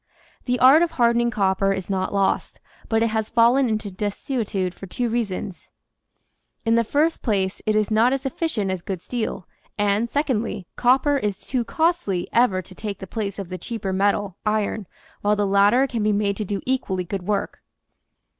The art of hardening copper is not lost, but it has fallen into desuetude for two reasons: In the first place it is not as efficient as good steel, and, secondly, copper is too costly ever to take the place of the cheaper metal, iron, while the latter can be made to do equally good work.